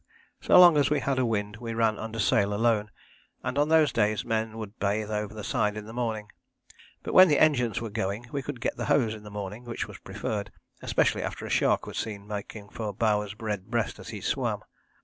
So long as we had a wind we ran under sail alone, and on those days men would bathe over the side in the morning, but when the engines were going we could get the hose in the morning, which was preferred, especially after a shark was seen making for Bowers' red breast as he swam.